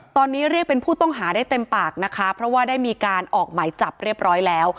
ตอนนี้เรียกเป็นผู้ต้องหาได้เต็มปากนะคะเพราะว่าได้มีการออกหมายจับเรียบร้อยแล้ว